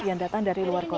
yang datang dari jawa timur